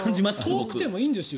遠くてもいいんですよ